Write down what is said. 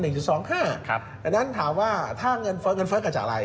อันนั้นถามว่าเงินเฟ้อเกิดจากอะไร